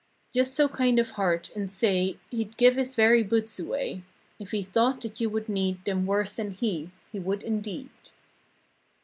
Just so kind of heart, and say. He'd give his very boots away If he thought that you would need Them worse than he. He would indeed.